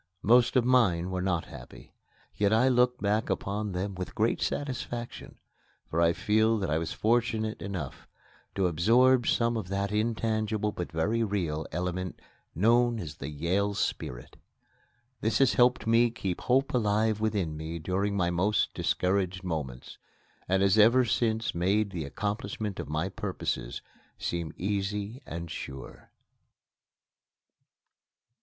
Most of mine were not happy. Yet I look back upon them with great satisfaction, for I feel that I was fortunate enough to absorb some of that intangible, but very real, element known as the "Yale spirit." This has helped to keep Hope alive within me during my most discouraged moments, and has ever since made the accomplishment of my purposes seem easy and sure.